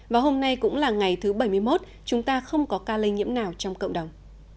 và hôm nay cũng là ngày thứ bảy mươi một chúng ta không có ca lây nhiễm nào trong cộng đồng